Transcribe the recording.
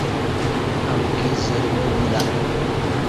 امکی زروا بولہ